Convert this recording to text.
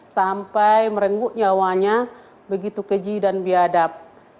sampai merengguk nyawanya begitu keji dan biadab